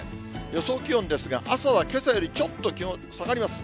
予想気温ですが、朝はけさよりちょっと気温、下がります。